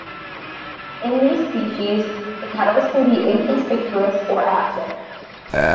In these species, the petals can be inconspicuous or absent.